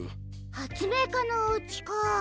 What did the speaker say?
はつめいかのおうちか。